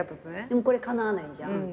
でもこれかなわないじゃん。